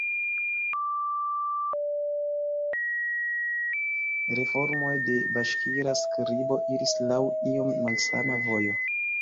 Reformoj de baŝkira skribo iris laŭ iom malsama vojo.